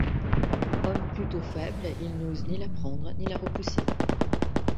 Homme plutôt faible, il n'ose ni la prendre ni la repousser.